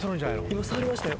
今触りましたよ。